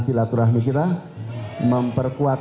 silaturahmi kita memperkuat